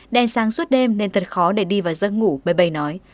đèn sáng suốt đêm nên thật khó để đi vào giấc ngủ bầy bầy nói